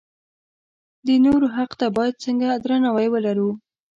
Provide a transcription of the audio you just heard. د نورو حق ته باید څنګه درناوی ولرو.